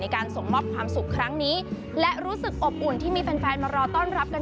การส่งมอบความสุขครั้งนี้และรู้สึกอบอุ่นที่มีแฟนแฟนมารอต้อนรับกัน